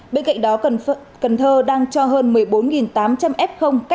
bên cạnh đó cần thơ đang cho hơn một mươi bốn tám trăm linh f